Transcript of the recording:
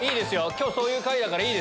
今日そういう回だから。